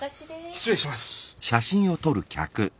失礼します！